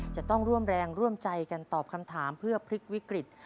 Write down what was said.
จะต้องร่วมแรงร่วมใจกันตอบคำถามเพื่อพลิกวิกฤต